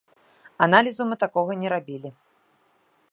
Аналізу мы такога не рабілі.